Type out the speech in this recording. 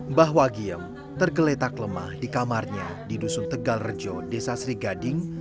mbah wagiem tergeletak lemah di kamarnya di dusun tegal rejo desa serigading